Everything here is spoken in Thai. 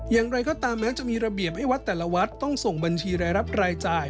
อย่างไรก็ตามแม้จะมีระเบียบให้วัดแต่ละวัดต้องส่งบัญชีรายรับรายจ่าย